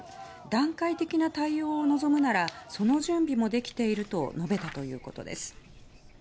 段階的な対応を望むならその準備もできていると述べたということです。